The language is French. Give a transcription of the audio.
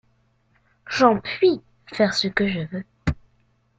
J’en puis faire ce que je veux.